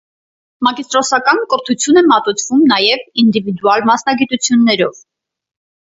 Մագիստրոսական կրթություն է մատուցվում նաև ինդիվիդուալ մասնագիտություններով։